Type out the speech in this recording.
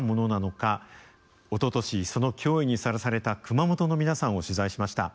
おととしその脅威にさらされた熊本の皆さんを取材しました。